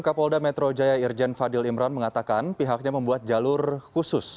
kapolda metro jaya irjen fadil imran mengatakan pihaknya membuat jalur khusus